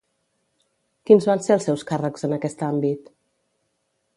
Quins van ser els seus càrrecs en aquest àmbit?